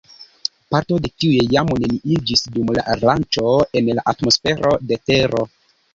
Parto de tiuj jam neniiĝis dum la lanĉo en la atmosfero de Tero.